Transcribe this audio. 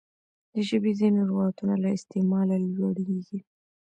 د ژبي ځیني لغاتونه له استعماله لوړیږي.